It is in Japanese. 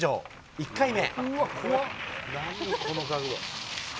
１回目。